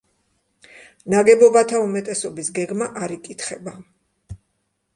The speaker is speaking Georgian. ნაგებობათა უმეტესობის გეგმა არ იკითხება.